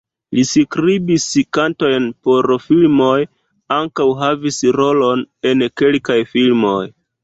Li skribis kantojn por filmoj, ankaŭ havis rolon en kelkaj filmoj.